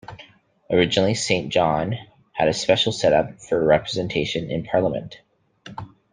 Originally, Saint John had a special setup for representation in Parliament.